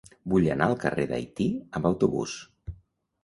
Vull anar al carrer d'Haití amb autobús.